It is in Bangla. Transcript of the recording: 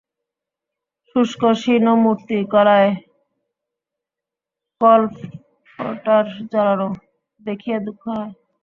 শুষ্ক শীর্ণ মূর্তি, গলায় কল্ফর্টার জড়ানো, দেখিয়া দুঃখ হয়।